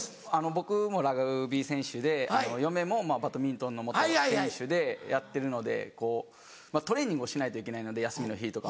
僕もラグビー選手で嫁もバドミントンの選手でやってるのでトレーニングをしないといけないので休みの日とかも。